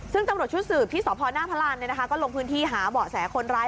ซึ่งตำรวจชุดสืบที่สพหน้าพระรานก็ลงพื้นที่หาเบาะแสคนร้าย